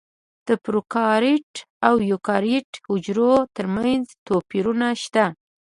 د پروکاریوت او ایوکاریوت حجرو ترمنځ توپیرونه شته.